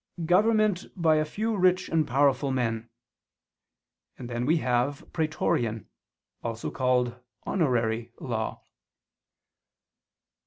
government by a few rich and powerful men; and then we have Praetorian, also called Honorary, law.